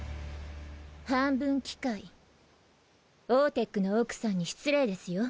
半分機械オーテックのオークさんに失礼ですよ。